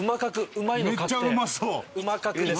うま確です。